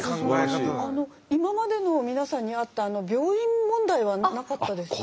今までの皆さんにあった病院問題はなかったですか？